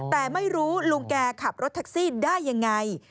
แต่ไม่รู้ลุงแกขับรถแท็กซี่ได้ยังไง